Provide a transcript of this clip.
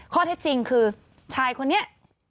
ข้อเท็จจริงคือชายคนนี้